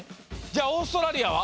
じゃオーストラリアは？